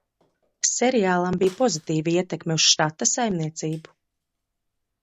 Seriālam bija pozitīva ietekme uz štata saimniecību.